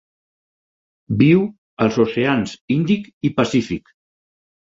Viu als oceans Índic i Pacífic.